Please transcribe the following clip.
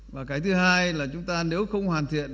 và cái thứ hai là chúng ta nếu không hoàn thiện